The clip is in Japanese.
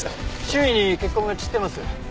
周囲に血痕が散ってます。